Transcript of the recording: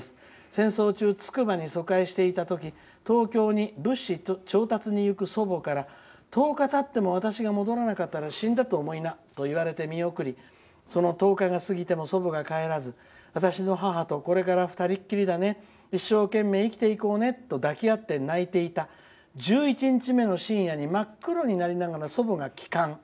戦争中、つくばに疎開していた時東京に物資調達に行く祖母から１０日たっても私が戻らなかったら死んだと思いなと言われて見送りその１０日が過ぎても祖母が帰らず私の母とこれから２人きりだね一生懸命生きていこうねと抱き合って泣いていた１１日目の深夜に真っ黒になりながら祖母が帰還。